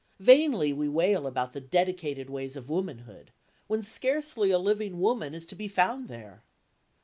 Vainly we wail about the dedicated ways of womanhood, when scarcely a living woman is to be found there.